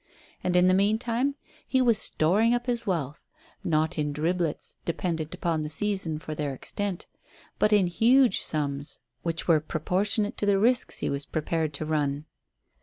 And in the meantime he was storing up his wealth, not in driblets, dependent upon the seasons for their extent, but in huge sums which were proportionate to the risks he was prepared to run.